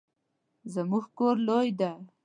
زمونږ کور لوی دی